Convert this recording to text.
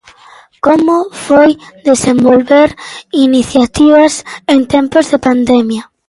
Como foi desenvolver iniciativas en tempos de pandemia?